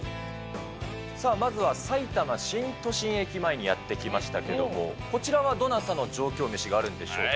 まずはさいたま新都心駅前にやって来ましたけれども、こちらはどなたの上京メシがあるんでしょうか。